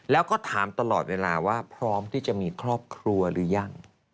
แล้วก็ถามตลอดเวลาว่าพร้อมที่จะมีครอบครัวหรือยัง